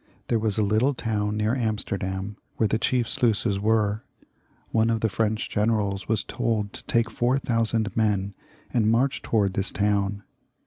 There was a little town near Amsterdam where the chief sluices were. One of the French generals was told to take four thousand men and march towards this town.